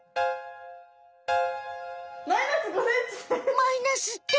マイナスって。